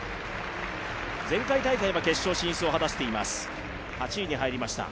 前回大会は決勝進出を果たしています、８位に入りました。